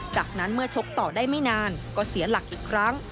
จากนั้นเมื่อชกต่อได้ไม่นานก็เสียหลักอีกครั้ง